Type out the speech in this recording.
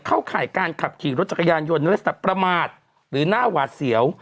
ข่ายการขับขี่รถจักรยานยนต์ในลักษณะประมาทหรือหน้าหวาดเสียว